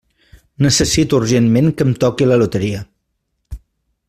Necessito urgentment que em toqui la loteria.